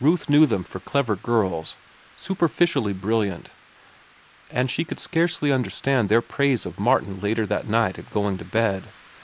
Ruth knew them for clever girls, superficially brilliant, and she could scarcely understand their praise of Martin later that night at going to bed.